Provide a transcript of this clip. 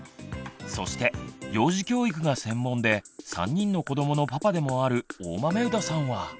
そして幼児教育が専門で３人の子どものパパでもある大豆生田さんは。